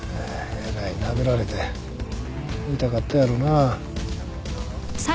えらい殴られて痛かったやろな。